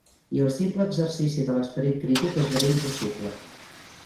I el simple exercici de l'esperit crític esdevé impossible.